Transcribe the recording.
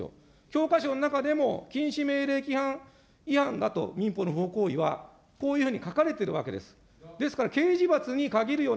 教科書の中でも、禁止命令違反だと民法の不法行為は、こういうふうに書かれているわけです。